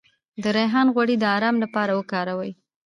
د ریحان غوړي د ارام لپاره وکاروئ